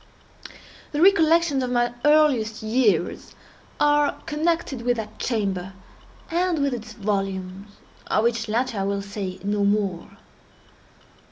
The recollections of my earliest years are connected with that chamber, and with its volumes—of which latter I will say no more.